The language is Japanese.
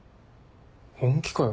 本気かよ。